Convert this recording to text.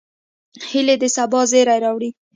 هیلۍ د سبا زیری راوړي